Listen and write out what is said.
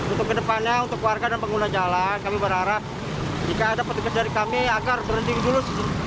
untuk kedepannya untuk warga dan pengguna jalan kami berharap jika ada petugas dari kami agar berhenti dulu